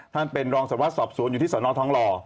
ท่านเป็นรองสวัสดิสอบสวนอยู่ที่สนทองหล่อ